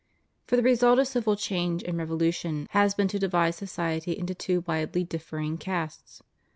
For the result of civil change and revolution has been to divide society into two widely differing castes.